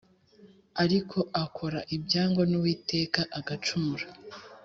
Ariko akora ibyangwa n’uwiteka agacumura